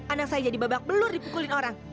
anak saya jadi babak belur dipukulin orang